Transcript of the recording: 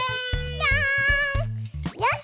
よし！